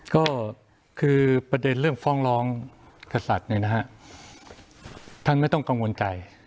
ก็คือประเด็นเรื่องฟ้องร้องกษัตริย์เนี่ยนะฮะท่านไม่ต้องกังวลใจ